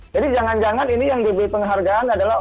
jadi jangan jangan ini yang diberi penghargaan adalah